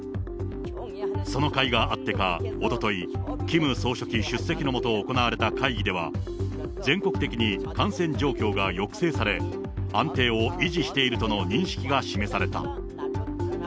そのかいがあってか、おととい、キム総書記出席のもと行われた会議では、全国的に感染状況が抑制され、安定を維持しているとの認識が示された。